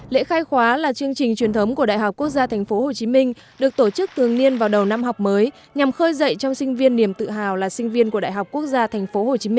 lễ khai khóa là chương trình truyền thống của đại học quốc gia tp hcm được tổ chức thường niên vào đầu năm học mới nhằm khơi dậy trong sinh viên niềm tự hào là sinh viên của đại học quốc gia tp hcm